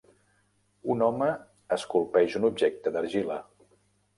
Un home esculpeix un objecte d'argila